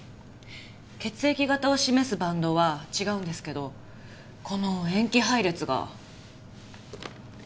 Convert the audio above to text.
血液型を示すバンドは違うんですけどこの塩基配列が。